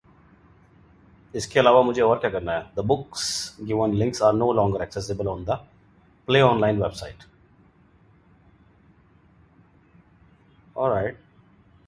The book's given links are no longer accessible on the PlayOnline website.